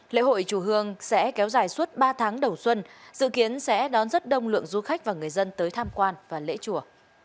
lễ hội chùa hương sẽ kéo dài suốt ba tháng đầu xuân dự kiến sẽ đón rất đông lượng du khách và người dân tới tham quan và lễ chùa